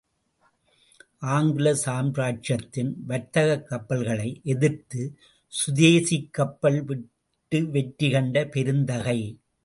ஆங்கில சாம்ராஜ்யத்தின் வர்த்தகக் கப்பல்களை எதிர்த்து, சுதேசிக் கப்பல் விட்டு வெற்றி கண்ட பெருந்தகை.